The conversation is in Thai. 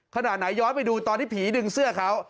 ขนาดไหนย้อนไปดูตอนที่ผีดึงเสื้อเขา